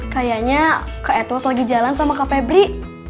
kayaknya kak edward lagi jalan sama kak febri